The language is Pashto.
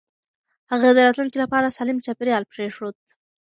هغه د راتلونکي لپاره سالم چاپېريال پرېښود.